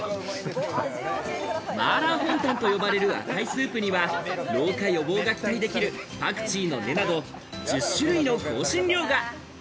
麻辣紅湯と呼ばれる赤いスープには、老化予防が期待できるパクチーの根など１０種類の香辛料が。